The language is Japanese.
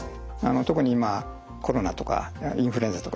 特に今はコロナとかインフルエンザとかですね